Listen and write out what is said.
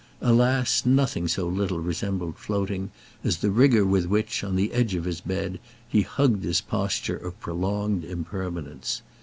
Alas nothing so little resembled floating as the rigour with which, on the edge of his bed, he hugged his posture of prolonged impermanence.